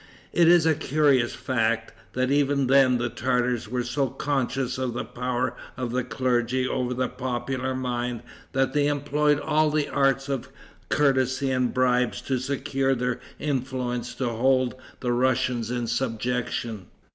It is a curious fact, that even then the Tartars were so conscious of the power of the clergy over the popular mind, that they employed all the arts of courtesy and bribes to secure their influence to hold the Russians in subjection.